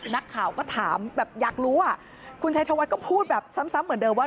นักข่าวก็ถามแบบอยากรู้อ่ะคุณชัยธวัฒน์ก็พูดแบบซ้ำเหมือนเดิมว่า